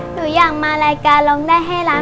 หนูอยากมารายการร้องได้ให้ล้าน